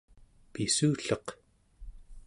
pissulleq